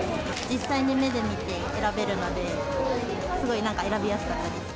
実際に目で見て選べるので、すごいなんか、選びやすかったです。